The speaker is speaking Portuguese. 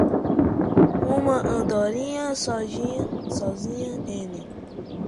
Uma andorinha sozinha n